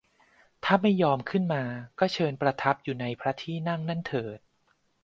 ถ้าไม่ยอมขึ้นมาก็เชิญประทับอยู่ในพระที่นั่งนั้นเถิด